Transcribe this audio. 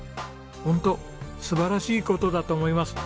ホント素晴らしい事だと思います。